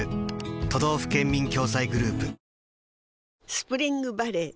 スプリングバレー